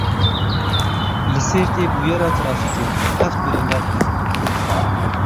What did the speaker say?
Li Sêrtê bûyera trafîkê heft birîndar hene.